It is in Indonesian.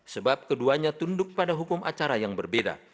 sebab keduanya tunduk pada hukum acara yang berbeda